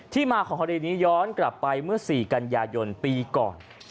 มาของคดีนี้ย้อนกลับไปเมื่อ๔กันยายนปีก่อน